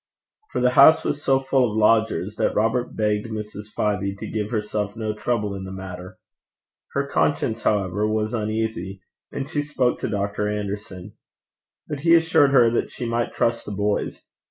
For the house was so full of lodgers, that Robert begged Mrs. Fyvie to give herself no trouble in the matter. Her conscience, however, was uneasy, and she spoke to Dr. Anderson; but he assured her that she might trust the boys.